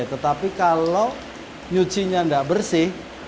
tetapi kalau nyucinya tidak bersih